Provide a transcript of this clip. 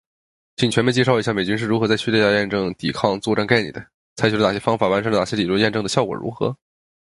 请你全面介绍一下美军是如何在叙利亚验证“抵抗作战概念”的，采取了哪些方法，完善了哪些理论，验证的效果如何？